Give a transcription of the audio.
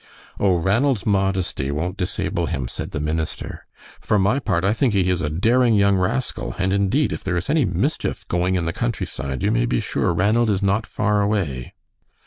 "Oh, Ranald's modesty won't disable him," said the minister. "For my part, I think he is a daring young rascal; and indeed, if there is any mischief going in the countryside you may be sure Ranald is not far away."